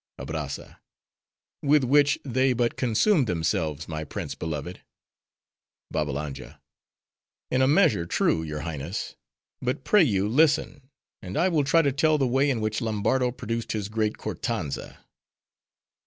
ABRAZZA—With which, they but consume themselves, my prince beloved. BABBALANJA—In a measure, true, your Highness. But pray you, listen; and I will try to tell the way in which Lombardo produced his great Kortanza.